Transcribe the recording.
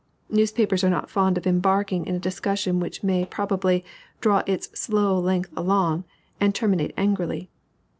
Newspapers are not fond of embarking in a discussion which may probably "draw its slow length along," and terminate angrily.